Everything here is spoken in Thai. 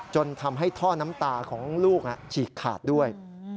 จนทำให้ท่อน้ำตาของลูกฉีกขาดด้วย